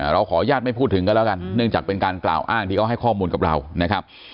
เราขออนุญาตไม่พูดถึงกันแล้วกันเนื่องจากเป็นการกล่าวอ้างที่เขาให้ข้อมูลกับเรานะครับ